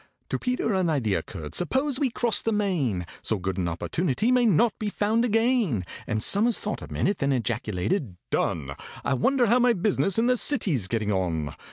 To PETER an idea occurred. "Suppose we cross the main? So good an opportunity may not be found again." And SOMERS thought a minute, then ejaculated, "Done! I wonder how my business in the City's getting on?"